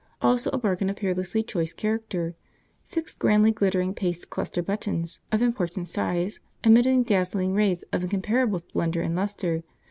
Also a bargain of peerlessly choice character. Six grandly glittering paste cluster buttons, of important size, emitting dazzling rays of incomparable splendour and lustre.